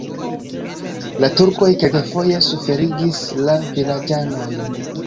La turkoj kelkfoje suferigis la vilaĝanojn.